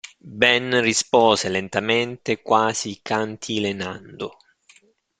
Ben rispose lentamente, quasi cantilenando.